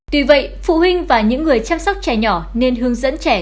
tuy vậy phụ huynh và những người chăm sóc trẻ nhỏ nên hướng dẫn trẻ